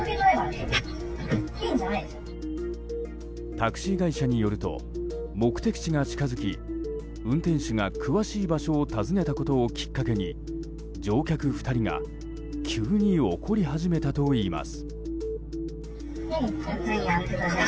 タクシー会社によると目的地が近づき運転手が詳しい場所を尋ねたことをきっかけに乗客２人が急に怒り始めたといいます。